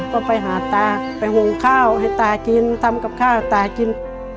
ก็ไปหาตาไปวงข้าวให้ตากินทำกับข้าวตากิน